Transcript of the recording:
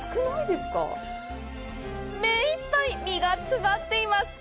目いっぱい実が詰まっています！